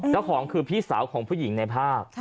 เจ้าของคือพี่สาวของผู้หญิงในภาพ